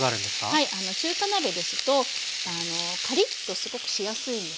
中華鍋ですとカリッとすごくしやすいんですね。